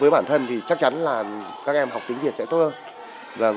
với bản thân thì chắc chắn là các em học tiếng việt sẽ tốt hơn